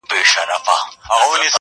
• چي ټوله ورځ ستا د مخ لمر ته ناست وي.